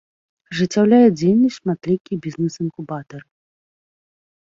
Ажыццяўляюць дзейнасць шматлікія бізнес інкубатары.